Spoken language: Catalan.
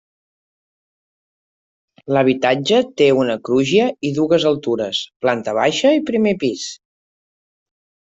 L’habitatge té una crugia i dues altures: planta baixa i primer pis.